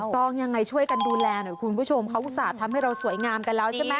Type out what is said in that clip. ต้องยังไงช่วยกันดูแลหน่อยคุณผู้ชมเขาอุตส่าห์ทำให้เราสวยงามกันแล้วใช่ไหม